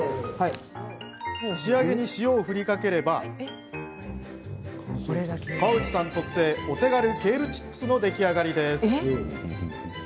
仕上げに塩を振りかければ河内さん特製お手軽ケールチップスの出来上がりです。